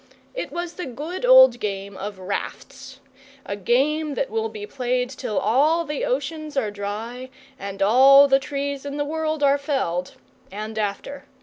It was the good old game of Rafts, a game that will be played till all the oceans are dry and all the trees in the world are felled and after.